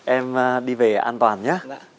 em đi về an toàn nhé